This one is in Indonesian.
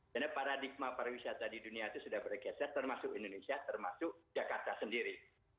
karena paradigma pariwisata di dunia itu sudah bergeser termasuk indonesia termasuk jakarta sendiri